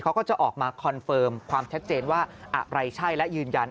เขาก็จะออกมาคอนเฟิร์มความชัดเจนว่าอะไรใช่และยืนยัน